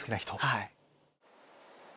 はい。